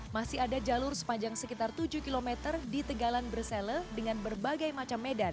masih ada jalur sepanjang sekitar tujuh km di tegalan bersele dengan berbagai macam medan